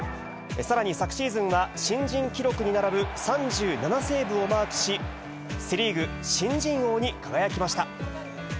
さらに昨シーズンは新人記録に並ぶ３７セーブをマークし、セ・リーグ新人王に輝きました。